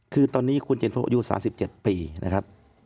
คือตอนนี้คุณเจนโทอายุ๓๗ปีนะครับ